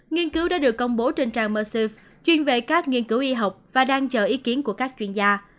nghiên cứu đã được công bố trên trang mersiff chuyên về các nghiên cứu y học và đang chờ ý kiến của các chuyên gia